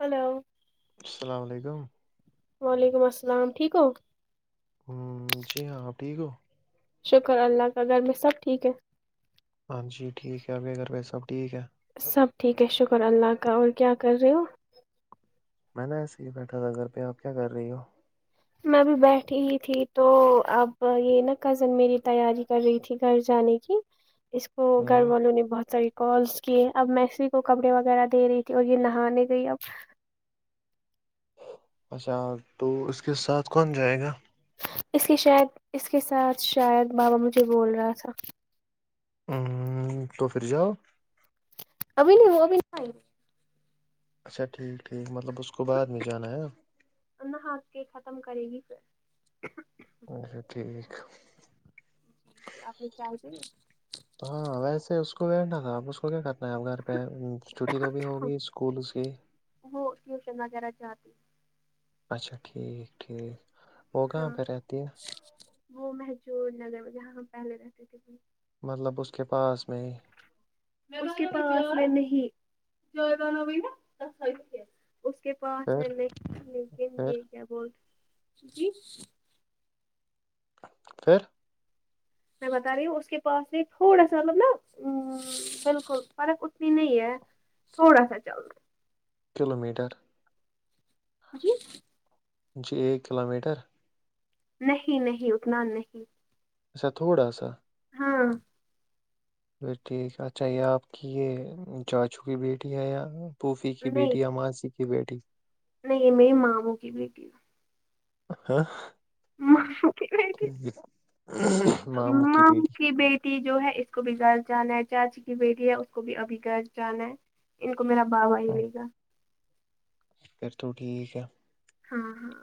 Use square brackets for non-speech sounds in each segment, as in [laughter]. hello السلام علیکم وعلیکم السلام ٹھیک ہو ہ جی ہاں آپ ٹھیک ہو شکر اللہ کا گھر میں سب ٹھیک ہے ہاں جی ٹھیک ہے او کروے سب ٹھیک ہے سب ٹھیک ہے شکر اللہ کا اور کیا کر رہے ہو میں نے ایسے ہی بیٹھا تھا کرھر پیا آپ کیا کر رہی ہو میں ابھی بیٹھی ہی تھی تو اب یہ نا کزن میری تیاری کر رہی تھی گھر جانے کی اس کو گھر ہ والوں نے بہت ساری کالس کیے اب میسی کو کپڑے وغیرہ دے رہی تھی اور یہ نہانے گئی اب اچھا تو اس کے ساتھ کون جائے گا اس کے شاید اس کے ساتھ شاید بابا مجھے بول رہا تھا تو پھر جاؤ ابھی نہیں وہ ابھی نہیںئی اچھا ٹھیک ٹھیک مطلب اسس کو بعد میں جانا ہے نہ ہس کے ختم کرے گی پھر اھا ٹھیک آپنے چاہتے ہاں ویسے اس کو بیھنا تھا اب اس کو کیا کرنا ہے اپ گھر پہ چھٹی تو بھی ہوگی اسکولس کی ہو ٹیوشن وغیرہ جاتتے اچھا ٹھیک ٹھیک وہ کہاں ہاں پہ رہتی ہے وہ م جوور لگ ج ہاں پہلے رہتے تھے ب مطلب اس کے پاس میں [unintelligible] اس کے پاس میں پھر ل لیکن پھر یہ کیا بول جی پھر میں بتا رہی ہوں اس کے پاس بھی تھوڑا سا مطلب نا بالکل فرق اتنی نہیں ہے سوڑا سا چل رہ کلو میٹر جی جی ایک کلو میٹر نہیں نہیں اکنان نہیں اسا تھوڑا سا ہاں ب ٹھیک اچھا یہ آپ کی یہ چاچو کی بیٹی ہے یار پوفی کی نہیں بیٹی عماسی کی بیٹی نہیں میری ماموں کی بیٹی [unintelligible] ماما کی بیٹی ٹھیک ہے، ماموں مام بیٹی کی بیٹی جو ہے اس کو بھی گز جانا ہے چاچی کی بیٹی ہے اس کو بھی ابھی گرز جانا ہے ان کو میرا باوا ہی ہاں لے گا پھر تو ٹھیک ہے ہاں ہاں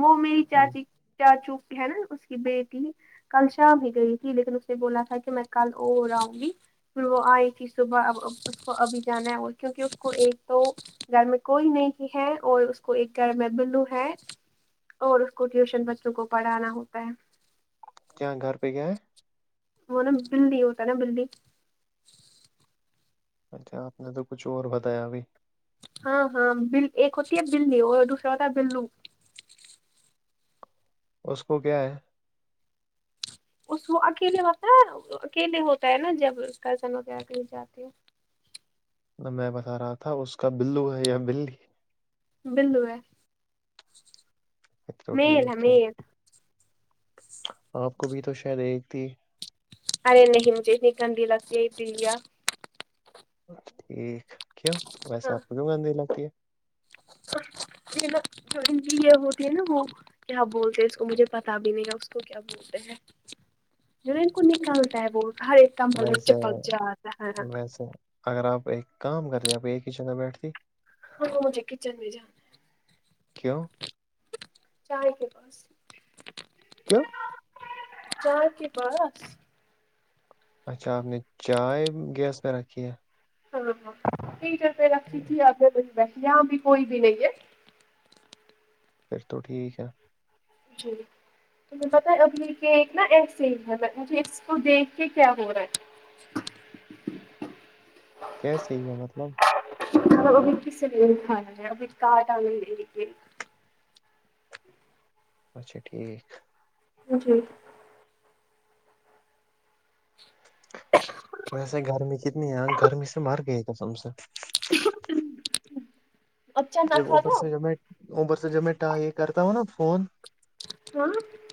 وہ میری ہوں، چاچی چاچو ہے نا اس کی بیٹی کل شام ہی گئی تھی لیکن اس نے بولا تھا کہ میں کل وہ ہو رہا ہوں گی پھر وہ آئے ت ہی صبح ا اس کو ابھی جانا ہے اور کیونکہ اس کو ایک تو گھر میں کوئی نہیں ہے اور اس کو ایک گھر میں بلو ہے اور اس کو ٹیوشن بچوں کو پڑھانا ہوتا ہے کیا گھر پہ کیایا ہے وہ نا بلی ہوتا ہے نا بلی اچھے آپ نے تو کچھ اور بتایا ابھی ہاں ہاں ب ایک ہوتی ہے بلی اور دوسرا ہوتا ہے بلو اس کو کیا ہے اس وہ اکیلے ہوتا ہے نا اکیلے ہوتا ہے نا جب کزن وغیرہ کہیں جاتے ہو میں بتا رہا تھا اس کا بلو ہے یا بلی ہی بلو ہے اچ تو میل ٹھیک ہے میل آپ کو بھی تو شاید ایک تھی ارے نہیں مجے ن کنند لگتی دیا ٹھیک کیوں ویسے آپ کو کیوں گندی لگتی ہے نا جوی یہ ہوتی ہے نا وہ کیا بولتے ہیں اس کو مجھے پتا بھی نہیں رہا اس کو کیا جو ان کو نکلتا ہے وہ ہر ایک کا مل چ پگ جا آا ہے اچھا اگر آپ ایک کام کرتے آپ ایک ہی جگہ بیٹھتی ہاں مجھے کچن بھی جان کیوں چاہے کے بس کیوں چر کی بس اچھا آپ نے چائے گیس پہ رکھی ہے ہاں ہاں پیٹر پہ رکھھی ہوں، تھی آگے وہ بیٹھھی یہاں بھی کوئی بھی نہیں ہے پھر تو ٹھیک ہے جی مجھے پت ابنی کے ایک نا ایکسج ہے مجھے اس کو دیکھ کے کیا ہو رہا ہے کیسے ہی ہے مطلب وہ کی س وہ کا آٹاے اچھا ٹھیک جی [unintelligible] ویسے گرمی کتنی ہے گرمی سے مر گئی ک سم سے [unintelligible] اب چنا جب کھاتا اوپر سے جب میں اوپر سے جب میں یہ کرتا ہوں نا فون [unintelligible]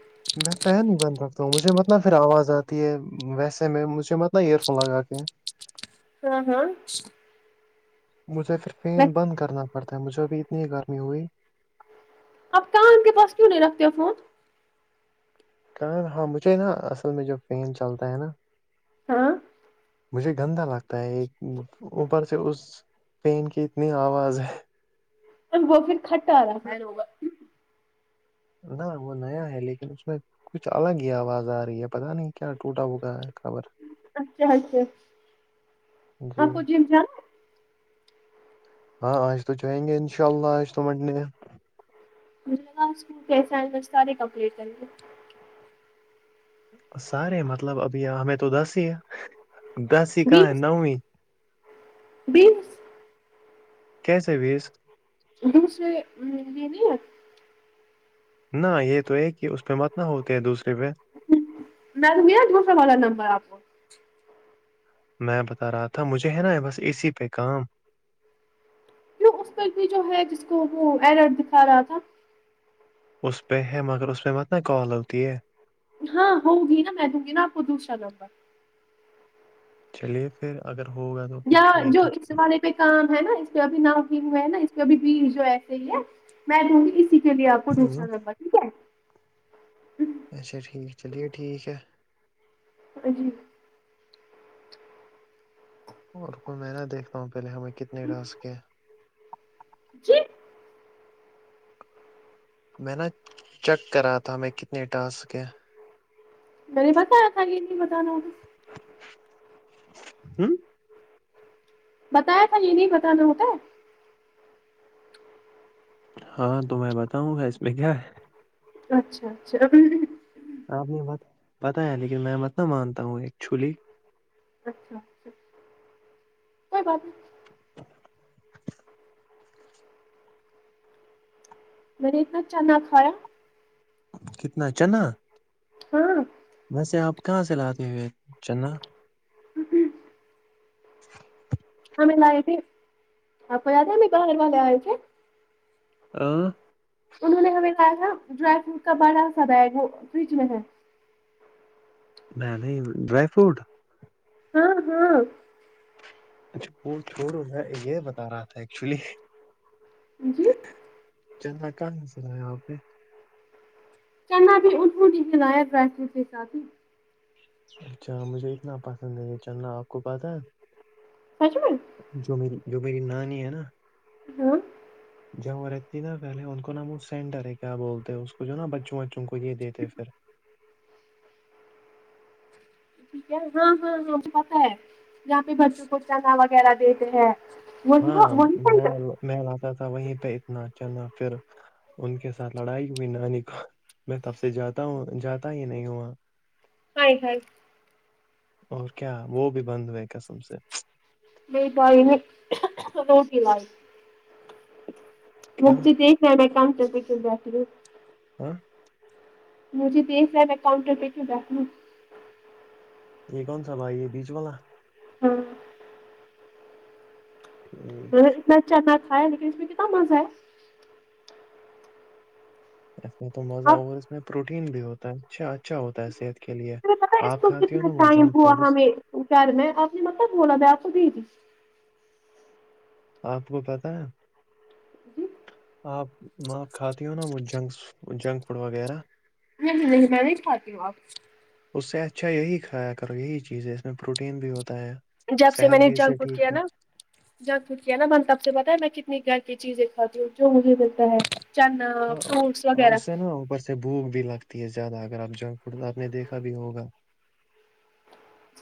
میں پین ہی بند رکھتا ہوں مجھے مت ن پھر آواز آتی ہے ویسے میں مجھے مت ن ایئر فون لگا کے ہاں ہاں مجھے پھر فین بند کرنا پڑتا ہے مجھے ابھی اتنی گرمی ہوئی آپ کہاں ان کے پاس کیوں نہیں رکھتے ہو فون کہ ہاں مجھے نا اصل میں جو فین چلتا ہے نا ہاں مجھے گندا لگتا ہے ایک اوپر سے اس پین کی اتنی آواز ہے وہ پھر کھٹا آ رہا ہے لوگا نہ وہ نیا ہے لیکن اس میں کچھ الگ ہی آواز آ رہی ہے پتا نہیں کیا ٹوٹا ہوٹا ہے خبر اچھا اچھا جی آپ کو جم جانا ہاں آج تو جائیں گے ان شاء اللہ آج تو منٹنے مجھےا اسس ساریے کمپلیٹ کریں گے سارے مطلب ابھی ہمیں تو دس ہی دس ہی کہاں ہے بیس نوویں بیس کیسے وس دوسرے ا یہ نہیںیا نہ یہ تو ہے کہ اس پہ مت نہ ہوتے ہے دوسرے پہ نظ میر گسرے والا نمبر آپ کو میں بتا رہا تھا مجھے ہے نا بس اسی پہ کام جو اس پہ بھی جو ہے جس کو وہ اییرٹ دکھا رہا تھا اس پہ ہے مگر اس پہ مت ن کال ہوتی ہے ہاں ہوگی نا میں دوں گی نا آپ کو دوسرا لوگ پر چلیے پھر اگر ہوگا تو پھر یا جو ٹھیک ہے اس والے پہ کام ہے نا اس پہ ا بھی ناؤ گن گئے نا اس پہ ا بھی بی جو ایسے ہی ہے میں دوں گی اس س چلیے آپ کو انشاء ہوں لبا ٹھیک ہے اچھا ٹھیک چلیے ٹھیک ہے جی اور کوئی میں نہ دیکھتا ہوں پہلے ہمیں کتنے رہ سکے [unintelligible] میں نا چیک کرا تھا میں کتنے ٹاس کے میں نے بتایا تھا یہ نہیں بتانا ہوں بتایا تھا یہ نہیں بتانا ہوتا ہے ہاں تو میں بتاؤں گا اس میں کیا ہے اچھا اچھا آپ نے ب بتایا لیکن میں مت نہ مانتا ہوں ایک چولی اچھا اچھا کیا بات [unintelligible] میں نے اتنا اچا نہ کھایا کتنا چنا ہاں ویسے آپ کہاں سے لاتے ہوئے چنا [unintelligible] [unintelligible] ہمیں لائی تھے آپ کو یاد ہے ہمبھی باہر والے آئے تھے ہاں انہوں نے ہمیں لایا تھا ڈرائی فروٹ کا بڑا سا بیگ وہ فریج میں ہے میں نہیں ڈرائی فروٹ ہاں ہاں اچھا وہ چھوڑو میں یہ بتا رہا تھا ایکچولی جی چلنا کہاں چلایا آپ نے کہنا بھی اوں نہیں للاایا ڈرائی فروٹ سے ساتادی اچھا مجھے اتنا پسند ہے کہ چلنا آپ کو پتہ سجم جو میری جو میری نانی ہے نا ہوں ج وہ رہتی ہے نا پہلے ان کو نام وہ سینٹر ہے کیا بولتے ہیں اس کو جو نا بچوں بچوں کو یہ دیتے پھر ٹھیک ہے ہاں ہاں ہاں پتاہ ہے جہاں پہ بچوں کو چنا وغیرہ دیتے ہیں [unintelligible] محل آتا تھا وہیں پہ اتنا اچھا نہ پھر ان کے ساتھ لڑائی ہوئی نانی کو میں تب سے جاتا ہوں جاتا ہییا نہیں ہا [unintelligible] اور کیا وہ بھی بند ہوئے قسم سے نہیں پائی نے روٹی لائی مک کیوں تو دیکھ رہ میں کام کر کے چل جاتتی ہوں ہاں مجھے دیکھ رہ ہے میں کاؤنٹر پہ کیوں بیٹھناوں یہ کون سا بھائی یہ بیچ والا ہاں ٹھ [inaudible] میں اتنا اچھا نہ کھایا لیکن اس میں کت مزہ ہے اس میں تو مزہ آپ اور اس میں پروٹین بھی ہوتا ہے چھا اچھا ہوتا ہے صحت کے لیے تمہیں آپ کھاتی ہو نا وہ جنک فڈس وہ کیا رہے میں آپ نے ما کو بولا تھا آپ کو د تھی [inaudible] آپ کو پتاہ ہے جی آپ میں آپ کھاتی ہ ہو نا وہ جنکس جنک فوڈ وغیرہ نہیں نہیں میں نہیں کھاتی ہوں اب اس سے اچھا یہی کھایا کرو یہی چیز ہے اس میں پروٹین بھی ہوتا ہے جب سے میں صحت نے بھی اس جنک فڈ کیا ٹھیک ہے نا جنک فڈ کیا نا بند تب سے پتا ہے میں کتنی گھر کی چیزیں کھاتی ہوں جو مجے ملتا ہے چنا ہاں فروٹس ہاں، وغیرہ اس سے نا اوپر بھوک بھی لگتی ہے زیادہ اگر آپ جنک فڈ آپ نے دیکھا بھی ہوگا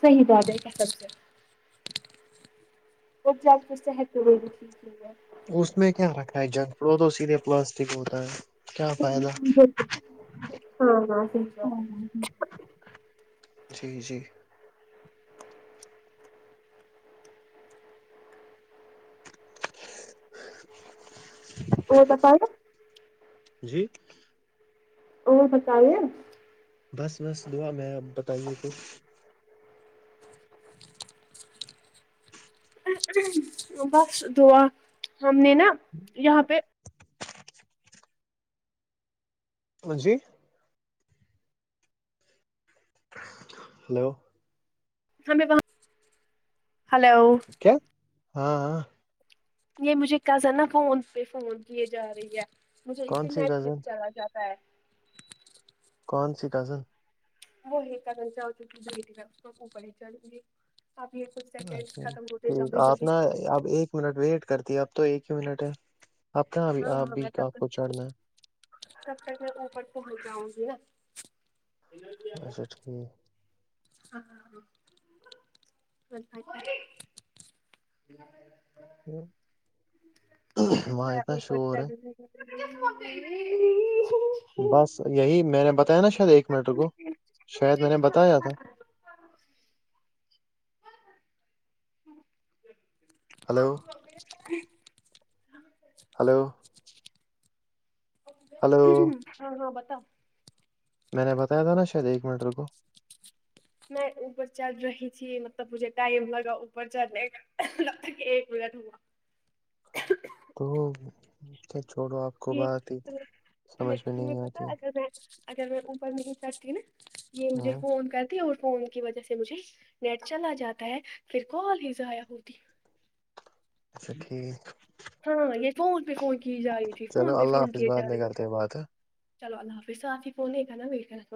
صحیح تو آ جائے کیا سبتے [inaudible] اور جنک فڈ صحت کے لیے بھی ٹھیک نہیں ہے اس میں کیا رکھتا ہے جنک فوڈ وہ تو سیدھے پلاسٹک ہوتا ہے کیا فائدہ ہے بالکل ہاں ہاں صحیح بات جی جی ا کا فا [inaudible] جی اور بتایے بس بس دعا میں اب بتائیے کچھ [inaudible] بس دعا ہم نے نا یہاں پہ جی ہلو ہمیں وہاں ہلو کیا ہاں [inaudible] یہ مجھےکزن نا فون پہ فون کیے جاہی رہی ہے مجھے اسے کون سی نیٹ پھر کزن چلا جاتا ہے کون سی کزن وہی کرن سے ہو چک بی اس اوپر ہی چل گی [inaudible] اب یہ کچھ آپ جلدی نا اب ایک منٹ ویٹ کرتی اب تو ایک ہی منٹ ہے آپ کہاں اب ہاں آپ ہاں بھی میں تب آپ کو تک چڑھنا ہے [inaudible] تب تک میں اوپر پہنچ جاؤں گی ن اچھا ٹھیک [inaudible] ہاں ہاں ہاں [inaudible] [unintelligible] [unintelligible] ہمارے پاس [inaudible] پتا مجھے فون چاہیے [inaudible] بس یہی میں نے بتایا نا شاید ایک منٹ رکو شاید میں نے بتایا تھا [unintelligible] [unintelligible] ہیلو، [inaudible] ہیلو، [inaudible] ہیلو، [unintelligible] میں نے بتایا تھا نا شاید ایک منٹ رکو- میں اوپر چڑھ رہی تھی مطلب مجھے ٹائم لگا اوپر چڑھنے کا- ایک منٹ ہوا [inaudible] تو خیر چھوڑو آپ کو یہ بات ہی تمہیں سمجھ میں نہیں تمہیں پتہ آتی- اگر اگر میں اوپر نہیں چڑتی نا یہ مجھ ہاں فون کر- پی اور فون کی وجہ سے مجھے نیٹ چلا جاتا ہے پھر کال ہی ضائع ہوتی ہے اچھا ٹھیک- کی جا رہی تھی فون چلو پہ اللہ فون حافظ کیے بعد جا میں رہی تھی- کرتے ہیں بات ہے چلو اللہ حافظ اف ہی فون دیکھا نا میری طرف-